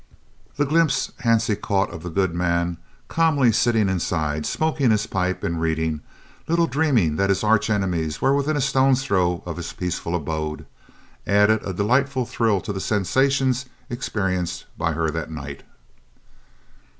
The glimpse Hansie caught of the good man, calmly sitting inside, smoking his pipe and reading, little dreaming that his arch enemies were within a stone's throw of his peaceful abode, added a delightful thrill to the sensations experienced by her that night.